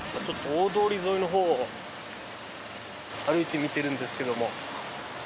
ちょっと大通り沿いのほうを歩いてみてるんですけども。